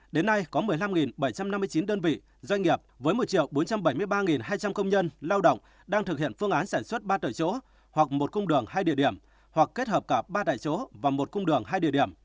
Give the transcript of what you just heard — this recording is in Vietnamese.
đến nay có một mươi năm bảy trăm năm mươi chín đơn vị doanh nghiệp với một bốn trăm bảy mươi ba hai trăm linh công nhân lao động đang thực hiện phương án sản xuất ba tại chỗ hoặc một cung đường hai địa điểm hoặc kết hợp cả ba đại chỗ và một cung đường hai địa điểm